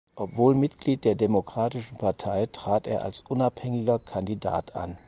Obwohl Mitglied der Demokratischen Partei trat er als unabhängiger Kandidat an.